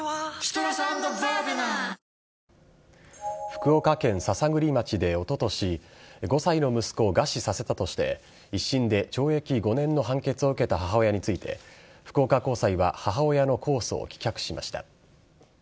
福岡県篠栗町でおととし５歳の息子を餓死させたとして一審で懲役５年の判決を受けた母親について福岡高裁は母親の控訴を棄却しました。